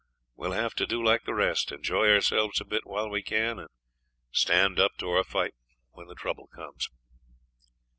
We'll have to do like the rest enjoy ourselves a bit while we can, and stand up to our fight when the trouble comes.'